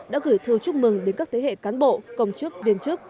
đã gửi thư chúc mừng đến các thế hệ cán bộ công chức viên chức